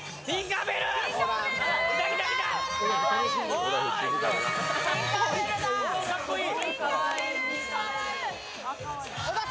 おお、かっこいい。